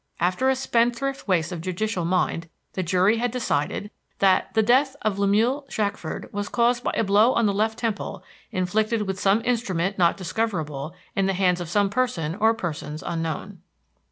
After a spendthrift waste of judicial mind the jury had decided that "the death of Lemuel Shackford was caused by a blow on the left temple, inflicted with some instrument not discoverable, in the hands of some person or persons unknown."